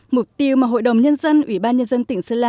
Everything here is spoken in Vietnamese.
mục tiêu mà hội đồng nhân dân ủy ban nhân dân tỉnh sơn la